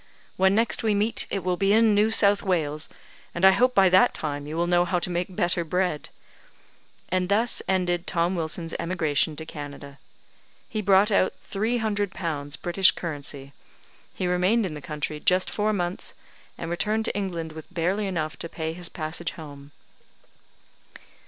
"When next we meet it will be in New South Wales, and I hope by that time you will know how to make better bread." And thus ended Tom Wilson's emigration to Canada. He brought out three hundred pounds, British currency; he remained in the country just four months, and returned to England with barely enough to pay his passage home.